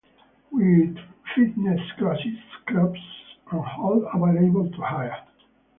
With fitness classes, clubs, and hall available to hire.